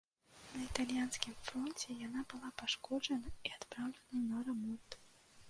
На італьянскім фронце яна была пашкоджана і адпраўлена на рамонт.